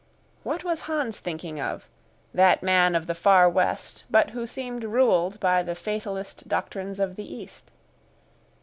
What was Hans thinking of that man of the far West, but who seemed ruled by the fatalist doctrines of the East?